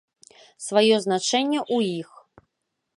Сваё значэнне ў іх.